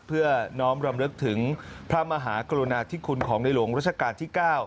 เพื่อน้อมรำลึกถึงพระมหากรุณาธิคุณของในหลวงรัชกาลที่๙